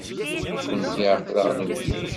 Nekkenti aql-aɣ newjed?